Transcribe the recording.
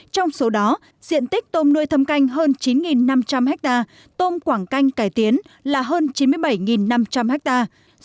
trong số đó diện tích tôm nuôi thâm canh hơn chín năm trăm linh hectare tôm quảng canh cải tiến là hơn chín mươi bảy năm trăm linh hectare